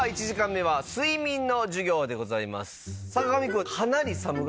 １時間目は睡眠の授業でございます。